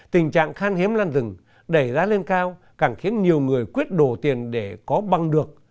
tình trạng khan hiếm lan rừng đẩy giá lên cao càng khiến nhiều người quyết đổ tiền để có băng được